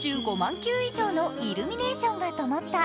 球以上のイルミネーションが灯った。